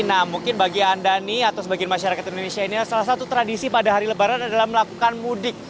nah mungkin bagi anda nih atau sebagian masyarakat indonesia ini salah satu tradisi pada hari lebaran adalah melakukan mudik